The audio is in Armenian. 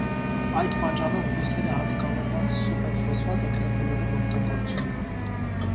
Այդ պատճառով բույսերը հատիկավորված սուպերֆոսֆատը գրեթե լրիվ օգտագործում են։